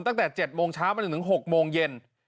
ตั้งแต่๗โมงเช้ามาจนถึง๖โมงเย็น